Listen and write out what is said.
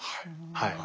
はい。